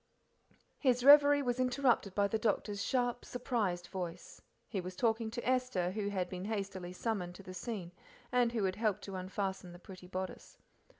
His reverie was interrupted by the doctor's sharp, surprised voice. He was talking to Esther, who had been hastily summoned to the scene, and who had helped to unfasten the pretty bodice.